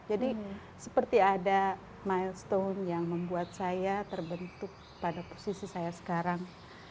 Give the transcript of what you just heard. jadi seperti ada milestone yang membuat saya terbentuk pada posisi saya sekarang